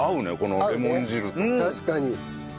確かに。